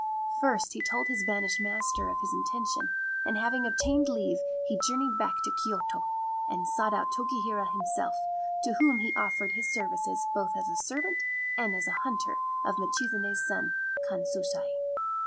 First he told his banished master of his intention, and having obtained leave he journeyed back to Kyoto, and sought out Tokihira himself, to whom he offered his services both as a servant and as a hunter of Michizane's son Kanshusai.